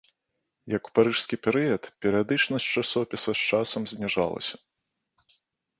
Як ў парыжскі перыяд, перыядычнасць часопіса з часам зніжалася.